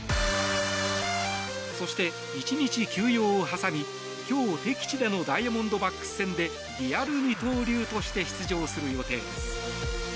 そして、１日休養を挟み今日、敵地でのダイヤモンドバックス戦でリアル二刀流として出場する予定です。